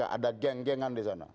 ada geng gengan di sana